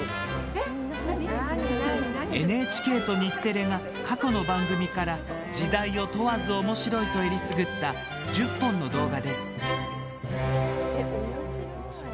ＮＨＫと日テレが過去の番組から「時代を問わず面白い！」とえりすぐった１０本の動画です。